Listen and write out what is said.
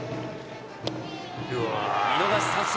見逃し三振。